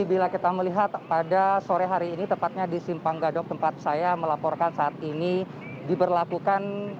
bila kita melihat pada sore hari ini tepatnya di simpang gadok tempat saya melaporkan saat ini diberlakukan